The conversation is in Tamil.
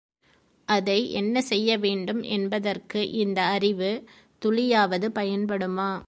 அதை என்ன செய்யவேண்டும் என்பதற்கு இந்த அறிவு துளியாவது பயன்படுமா?